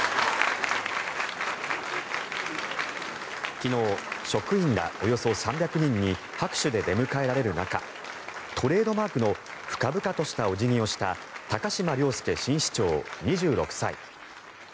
昨日職員らおよそ３００人に拍手で出迎えられる中トレードマークの深々としたお辞儀をした高島崚輔新市長、２６歳。